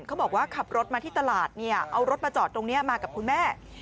เขาบอกว่าขับรถมาที่ตลาดเนี่ยเอารถมาจอดตรงนี้มากับคุณแม่